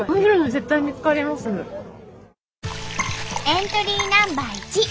エントリーナンバー１。